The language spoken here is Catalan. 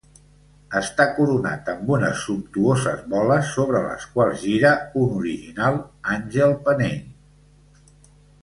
Està coronat amb unes sumptuoses boles sobre les quals gira un original Àngel penell.